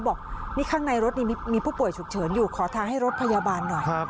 บอกนี่ข้างในรถนี่มีผู้ป่วยฉุกเฉินอยู่ขอทางให้รถพยาบาลหน่อย